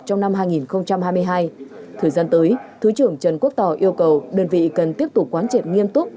trong năm hai nghìn hai mươi hai thời gian tới thứ trưởng trần quốc tỏ yêu cầu đơn vị cần tiếp tục quán triệt nghiêm túc